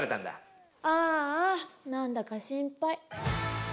ああなんだか心配。